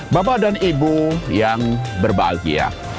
bapak dan ibu yang berbahagia